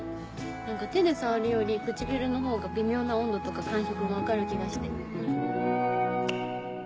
何か手で触るより唇のほうが微妙な温度とか感触が分かる気がして。